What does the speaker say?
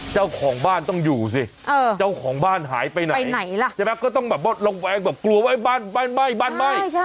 เจ้าของบ้านต้องอยู่สิเจ้าของบ้านหายไปไหนก็ต้องลงแวงกลัวว่าบ้านไหม้